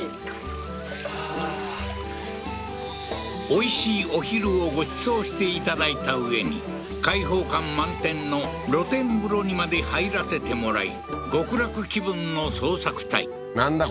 おいしいお昼をごちそうしていただいたうえに開放感満点の露天風呂にまで入らせてもらい極楽気分の捜索隊なんだ？